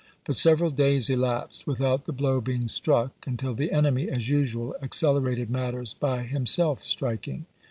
But several days elapsed without the blow being struck, until the enemy, as usual, accelerated matters by himself striking.